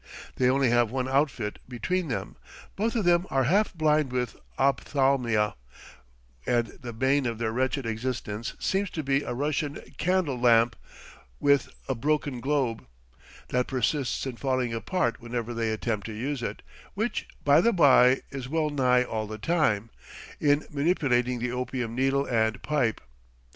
They only have one outfit between them; both of them are half blind with ophthalmia, and the bane of their wretched existence seems to be a Russian candle lamp, with a broken globe, that persists in falling apart whenever they attempt to use it which, by the by, is well nigh all the time in manipulating the opium needle and pipe.